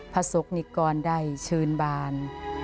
ผสกนิกรได้ชื่นบาน